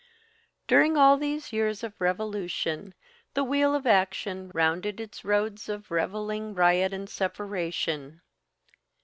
During all these years of revolution the wheel of action rounded its roads of revelling, riot, and separation.